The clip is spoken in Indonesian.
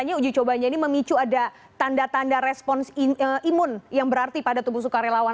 dan diklaim uji cobanya ini memicu ada tanda tanda respon imun yang berarti pada tubuh sukarelawan